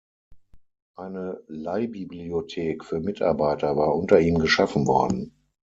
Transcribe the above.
Eine Leihbibliothek für Mitarbeiter war unter ihm geschaffen worden.